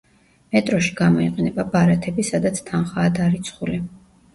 მეტროში გამოიყენება ბარათები, სადაც თანხაა დარიცხული.